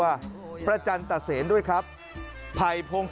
และก็มีการกินยาละลายริ่มเลือดแล้วก็ยาละลายขายมันมาเลยตลอดครับ